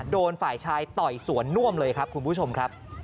โดนฝ่ายชายต่อยสวนน่วมเลยครับคุณผู้ชมครับ